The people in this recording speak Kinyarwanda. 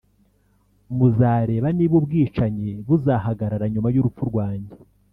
muzareba niba ubwicanyi buzahagarara nyuma y’urupfu rwanjye